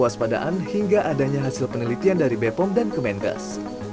kuas padaan hingga adanya hasil penelitian dari bepom dan kementas